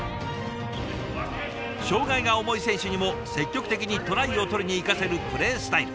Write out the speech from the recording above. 障害が重い選手にも積極的にトライを取りに行かせるプレースタイル。